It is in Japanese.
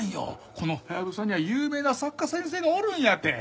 このハヤブサには有名な作家先生がおるんやて。